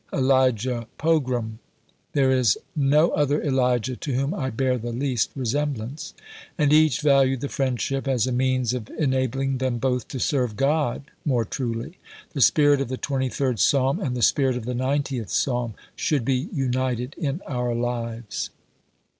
Elijah Pogram. There is no other Elijah to whom I bear the least resemblance." And each valued the friendship as a means of enabling them both to serve God more truly. "The spirit of the twenty third Psalm and the spirit of the ninetieth Psalm should be united in our lives."